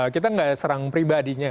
kita tidak serang pribadinya